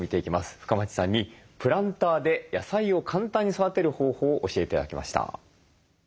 深町さんにプランターで野菜を簡単に育てる方法を教えて頂きました。